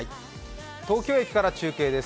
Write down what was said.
東京駅から中継です。